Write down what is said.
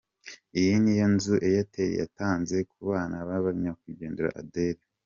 Iyi ni yo nzu Airtel yatanzeku bana ba nyakwigendera Adele.